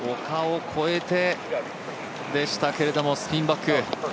丘を越えてでしたけれどもスピンバック。